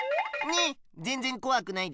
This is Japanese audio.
ぜんぜんこわくないでしょ！